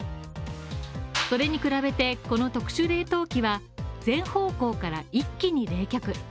それに比べて、この特殊冷凍機は全方向から一気に冷却。